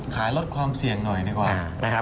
ขายลดความเสี่ยงหน่อยดีกว่า